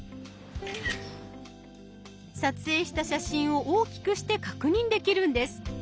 撮影した写真を大きくして確認できるんです。